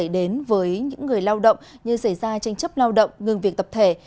đến với những người lao động như xảy ra tranh chấp lao động ngừng việc tập thể